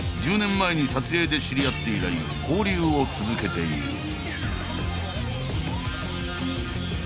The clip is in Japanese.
１０年前に撮影で知り合って以来交流を続けている。